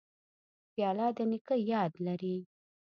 پیاله د نیکه یاد لري.